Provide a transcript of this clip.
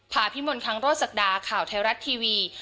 ภาพิมนต์ครั้งโรศกดาข่าวไทยรัฐทีวี